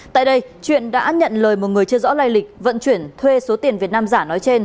tại đây chuyện đã nhận lời một người chưa rõ lai lịch vận chuyển thuê số tiền việt nam giả nói trên